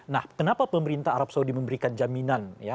nah kenapa pemerintah arab saudi memberikan jaminan ya